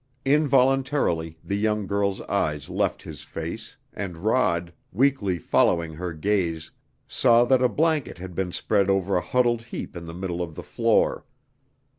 Involuntarily the young girl's eyes left his face, and Rod, weakly following her gaze, saw that a blanket had been spread over a huddled heap in the middle of the floor.